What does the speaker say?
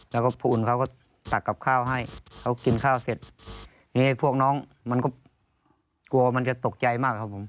แล้วก็ผู้อื่นเขาก็ตักกับข้าวให้เขากินข้าวเสร็จทีนี้พวกน้องมันก็กลัวมันจะตกใจมากครับผม